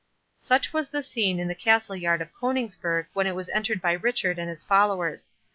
Such was the scene in the castle yard at Coningsburgh when it was entered by Richard and his followers.